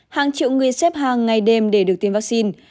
hàng triệu người xếp hàng ngày đêm để được tiêm vaccine